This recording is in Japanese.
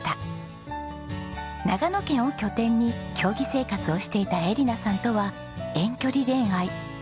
長野県を拠点に競技生活をしていた恵梨奈さんとは遠距離恋愛。